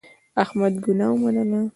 احمد ګناه ومنله.